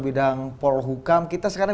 bidang polhukam kita sekarang